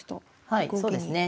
はいそうですね。